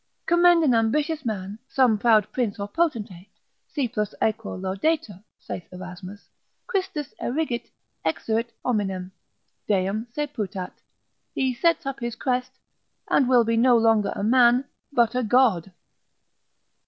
Commend an ambitious man, some proud prince or potentate, si plus aequo laudetur (saith Erasmus) cristas erigit, exuit hominem, Deum se putat, he sets up his crest, and will be no longer a man but a God.